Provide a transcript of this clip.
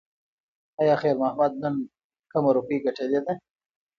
ایا خیر محمد نن کومه روپۍ ګټلې ده؟